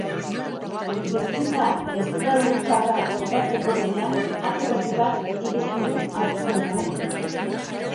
Bizitza estralurtarra topatzeko bidean ate berri bat ireki du aurkikuntza honek.